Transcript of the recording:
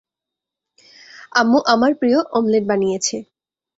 আম্মু আমার প্রিয় অমলেট বানিয়েছে।